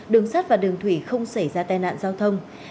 đường sắt và đường thủy không xảy ra tai nạn giao thông